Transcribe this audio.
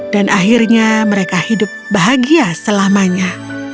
dan akhirnya mereka hidup bahagia selamanya